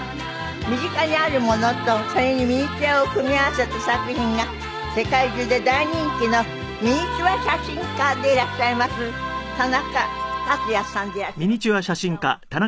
身近にあるものとそれにミニチュアを組み合わせた作品が世界中で大人気のミニチュア写真家でいらっしゃいます田中達也さんでいらっしゃいます。